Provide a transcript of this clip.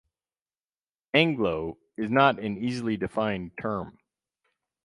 "Anglo" is not an easily defined term.